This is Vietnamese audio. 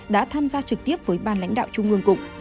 đã tham gia trực tiếp với ban lãnh đạo trung ương cục